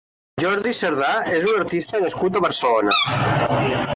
Jordi Cerdà és un artista nascut a Barcelona.